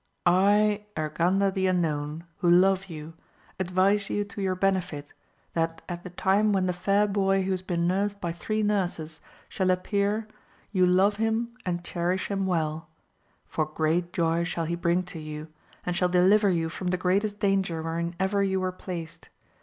I Urganda the Unknown, who love you, advise you to your benefit, that at the time when the fair boy AMADIS OF GAUL. 259 who has been nursed by three nurses shall appear you love him and cherish him well, for great joy shall he bring to you, and shall deliver you from the greatest danger wherein ever you were placed.